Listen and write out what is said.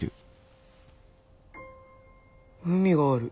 海がある。